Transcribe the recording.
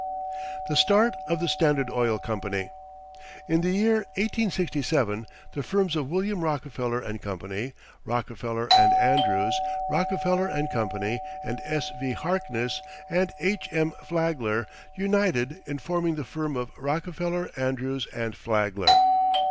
THE START OF THE STANDARD OIL COMPANY In the year 1867 the firms of William Rockefeller & Co., Rockefeller & Andrews, Rockefeller & Co., and S.V. Harkness and H.M. Flagler united in forming the firm of Rockefeller, Andrews & Flagler.